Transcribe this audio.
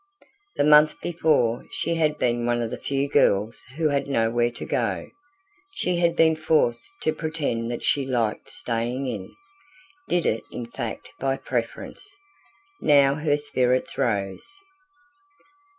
The month before, she had been one of the few girls who had nowhere to go; she had been forced to pretend that she liked staying in, did it in fact by preference. Now her spirits rose.